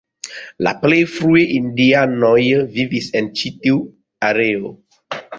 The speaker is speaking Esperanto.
La plej frue indianoj vivis en ĉi tiu areo.